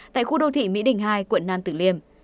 tại khu đô thị mỹ đình hai quận nam tử liêm